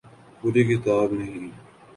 پوری کتاب نہیں۔